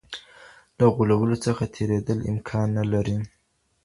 له غولولو څخه تېرېدل امکان نه لري.